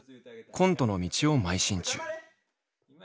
コントの道を邁進中。